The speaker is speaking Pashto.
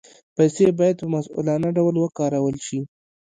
پیسې باید په مسؤلانه ډول وکارول شي.